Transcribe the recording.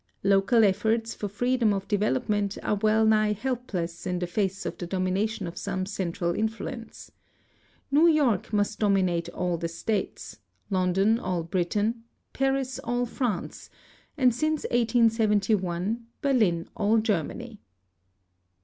Local efforts for freedom of development are well nigh helpless in the face of the domination of some central influence. New York must dominate all the States, London all Britain, Paris all France, and since 1871 Berlin all Germany.